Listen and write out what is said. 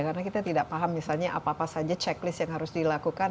karena kita tidak paham misalnya apa apa saja checklist yang harus dilakukan